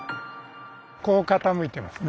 こう傾いてますね。